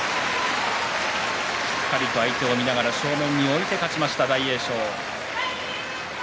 しっかりと相手を見ながら正面に置いて勝ちました、大栄翔。